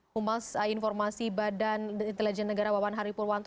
humas informasi badan intelijen negara wawan haripurwanto